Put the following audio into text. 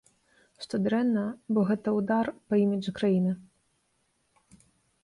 Што дрэнна, бо гэта ўдар па іміджы краіны.